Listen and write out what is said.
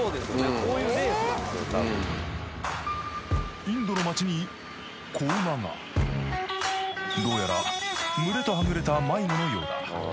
多分インドの街に子馬がどうやら群れとはぐれた迷子のようだ